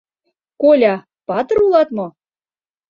— Коля, патыр улат мо?